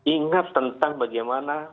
ingat tentang bagaimana